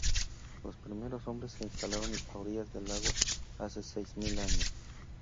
Los primeros hombres se instalaron a orillas del lago hace seis mil años.